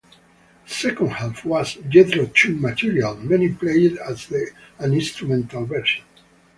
The second half was Jethro Tull material, many played as an instrumental version.